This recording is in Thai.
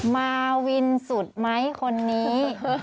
มาวินสุดมั้ยคนนี้